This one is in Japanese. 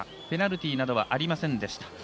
ペナルティーなどはありませんでした。